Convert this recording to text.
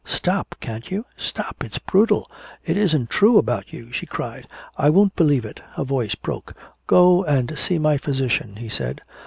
"Stop! Can't you? Stop! It's brutal! It isn't true about you!" she cried. "I won't believe it!" Her voice broke. "Go and see my physician," he said.